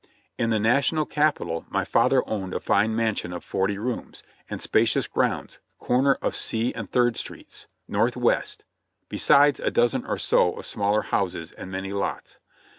In the National Capital my father owned a fine mansion of forty rooms, and spacious grounds, corner of C and Third Streets, N. W., besides a dozen or so of smaller houses, and many lots.